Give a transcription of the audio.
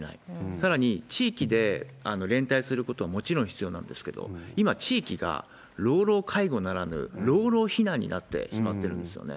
さらに地域で連帯することはもちろん必要なんですけれども、今、地域が老老介護ならぬ老々避難になってしまってるんですよね。